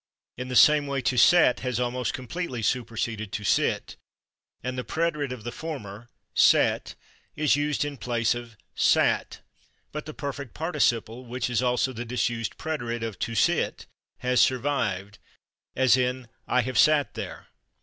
In the same way /to set/ has almost completely superseded /to sit/, and the preterite of the former, /set/, is used in place of /sat/. But the perfect participle (which is also the disused preterite) of /to sit/ has survived, as in "I have /sat/ there."